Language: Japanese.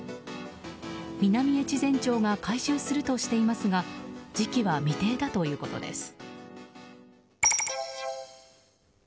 南越前町が回収するとしていますが時期は未定だということです。